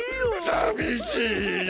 さびしいよ。